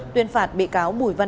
tuyên phạt bị cáo bùi văn an